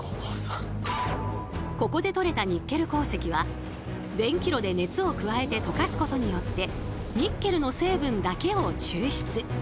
ここで取れたニッケル鉱石は電気炉で熱を加えて溶かすことによってニッケルの成分だけを抽出。